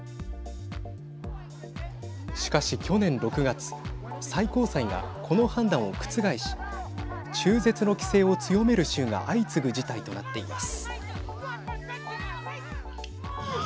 しかし、去年６月最高裁がこの判断を覆し中絶の規制を強める州が相次ぐ事態となっています。